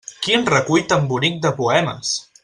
Quin recull tan bonic de poemes!